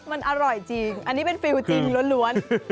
มันอร่อยจริงอันนี้เป็นฟิลจริงล้วน